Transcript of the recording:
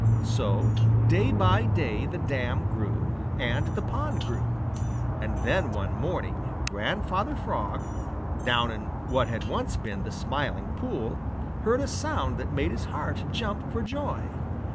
So day by day the dam grew, and the pond grew, and then one morning Grandfather Frog, down in what had once been the Smiling Pool, heard a sound that made his heart jump for joy.